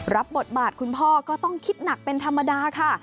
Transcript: รับบทบาทคุณพ่อก็ต้องคิดหนักเป็นธรรมดาค่ะ